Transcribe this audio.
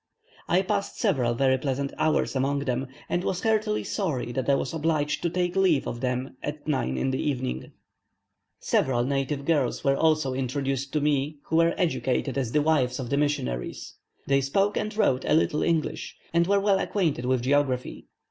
I passed several very pleasant hours among them, and was heartily sorry that I was obliged to take leave of them at 9 in the evening. Several native girls were also introduced to me who were educated by the wives of the missionaries. They spoke and wrote a little English, and were well acquainted with geography.